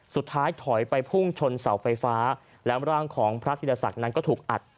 สุดท้ายถอยไปพุ่งชนเสาไฟฟ้าแล้วร่างของพระธิรศักดิ์นั้นก็ถูกอัด